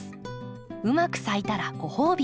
うまく咲いたらご褒美。